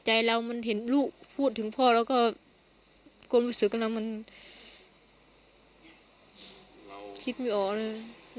แต่ใจเรามันเห็นลูกพูดถึงพ่อแล้วก็กลัวรู้สึกกันแล้วมันคิดไม่ออกเลย